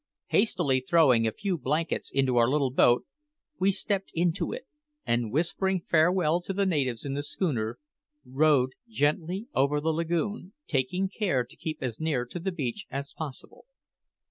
Hastily throwing a few blankets into our little boat, we stepped into it, and whispering farewell to the natives in the schooner, rowed gently over the lagoon, taking care to keep as near to the beach as possible.